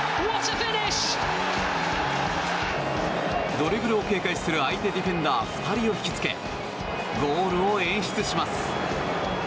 ドリブルを警戒する相手ディフェンダー２人をひきつけゴールを演出します。